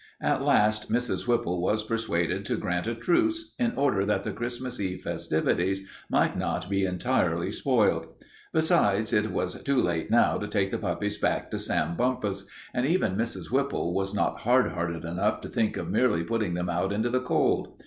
At last Mrs. Whipple was persuaded to grant a truce in order that the Christmas Eve festivities might not be entirely spoiled. Besides, it was too late now to take the puppies back to Sam Bumpus, and even Mrs. Whipple was not hard hearted enough to think of merely putting them out into the cold.